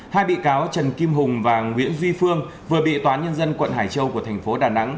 hai bị cáo trần kim hùng và nguyễn duy phương vừa bị tòa nhân dân quận hải châu của thành phố đà nẵng